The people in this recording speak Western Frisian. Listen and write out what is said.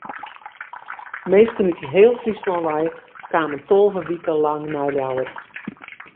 Minsken út heel Fryslân wei kamen tolve wiken lang nei Ljouwert.